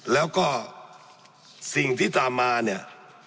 แล้วก็สิ่งที่ตามมาเนี่ย